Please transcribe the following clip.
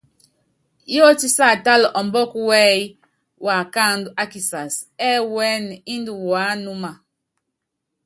Yótí siatála ɔmbɔ́ku wɛ́yí waakáandu ákisass, ɛ́ɛ́ wúɛ́nɛ indi wuánúma.